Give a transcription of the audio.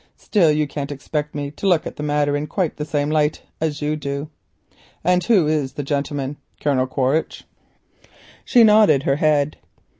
Still you can't expect me to look at the matter in quite the same light as you do. And who is the gentleman? Colonel Quaritch?" She nodded her head.